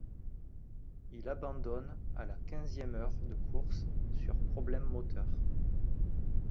Il abandonne à la quinzième heure de course sur problème moteur.